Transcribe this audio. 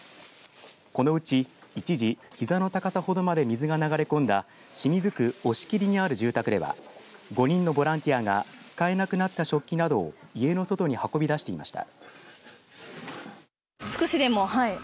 このうち一時、ひざの高さほどまで水が流れ込んだ清水区押切にある住宅では５人のボランティアが使えなくなった食器などを家の外に運び出していました。